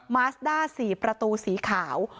มาสด้า๔ประตูสีขาว